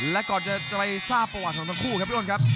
และก่อนจะไปทราบประวัติของทั้งคู่ครับพี่อ้นครับ